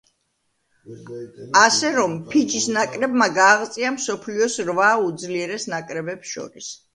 ასე რომ, ფიჯის ნაკრებმა გააღწია მსოფლიოს რვა უძლიერეს ნაკრებებს შორის.